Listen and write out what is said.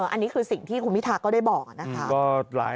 อันนี้คือสิ่งที่คุณพิทาก็ได้บอกนะคะ